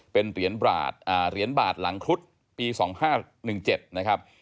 เป็นเหรียญบาทหลังครุฑปี๒๕๑๗นะครับ